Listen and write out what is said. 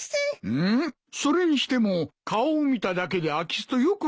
うむそれにしても顔を見ただけで空き巣とよく分かったな。